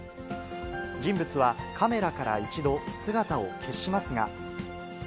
人物は、カメラから一度、姿を消しますが。